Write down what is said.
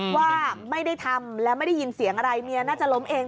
ว่าไม่ได้ทำและไม่ได้ยินเสียงอะไรเมียน่าจะล้มเอง